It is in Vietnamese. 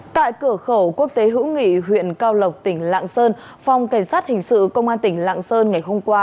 tại cửa khẩu quốc tế hữu nghị huyện cao lộc tỉnh lạng sơn phòng cảnh sát hình sự công an tỉnh lạng sơn ngày hôm qua